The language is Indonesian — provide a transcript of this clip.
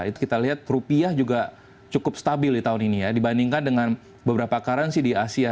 itu kita lihat rupiah juga cukup stabil di tahun ini ya dibandingkan dengan beberapa currency di asia